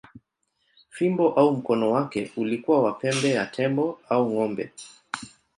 Fimbo au mkono wake ulikuwa wa pembe ya tembo au ng’ombe.